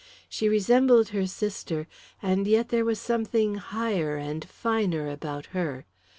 She resembled her sister, and yet there was something higher and finer about her.